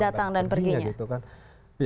datang dan perginya